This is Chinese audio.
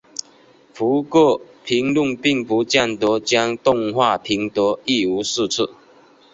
不过评论并不见得将动画评得一无是处。